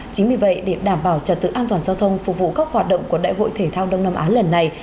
chính vì vậy để đảm bảo trật tự an toàn giao thông phục vụ các hoạt động của đại hội thể thao đông nam á lần này